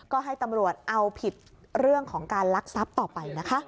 ก็ให้ตำรวจเอาผิดเรื่องของการลักทรัพย์ต่อไปนะคะ